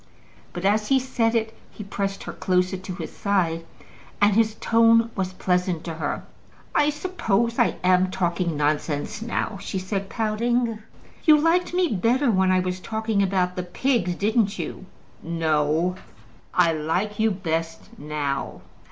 But as he said it, he pressed her closer to his side, and his tone was pleasant to her. "I suppose I'm talking nonsense now?" she said, pouting. "You liked me better when I was talking about the pigs; didn't you?" "No; I like you best now."